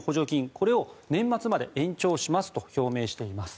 これを年末まで延長しますと表明しています。